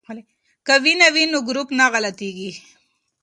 که وینه وي نو ګروپ نه غلطیږي.